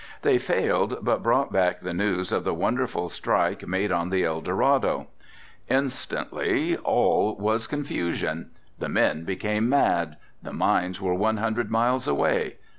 They failed, but brought back the news of the wonderful strike made on the Eldorado. Instantly all was confusion. The men became mad. The mines were one hundred miles away.